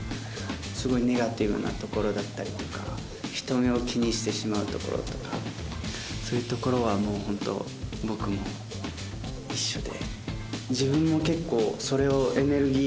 すごいネガティブなところだったりとか人目を気にしてしまうところとかそういうところはもうホント僕も一緒で。